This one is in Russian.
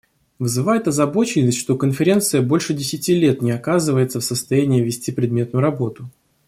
Вызывает озабоченность, что Конференция больше десяти лет не оказывается в состоянии вести предметную работу.